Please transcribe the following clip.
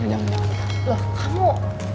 have i did it baiklah